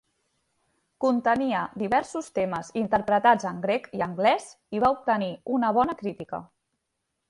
Contenia diversos temes interpretats en grec i anglès i va obtenir una bona crítica.